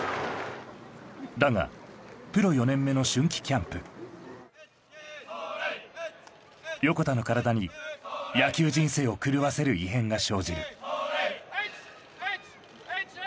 だがプロ４年目の春季キャンプ横田の体に野球人生を狂わせる異変が生じるイチイチイチニ！